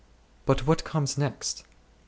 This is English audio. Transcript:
But what comes next ?